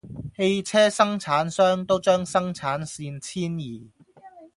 汽車生產商都將生產線遷移